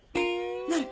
なる。